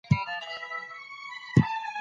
د کور رازونه بهر مه وباسئ.